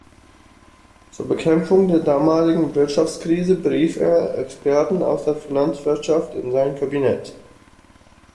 Zur Bekämpfung der damaligen Wirtschaftskrise berief er Experten aus der Finanzwirtschaft in sein Kabinett.